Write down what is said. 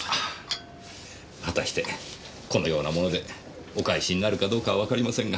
果たしてこのようなものでお返しになるかどうかはわかりませんが。